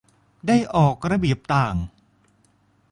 ได้ออกระเบียบต่าง